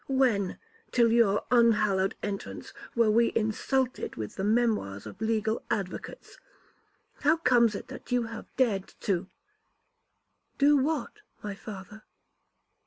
When, till your unhallowed entrance, were we insulted with the memoirs of legal advocates? How comes it that you have dared to—' 'Do what, my father?'